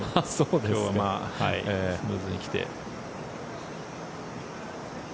今日はスムーズに来て。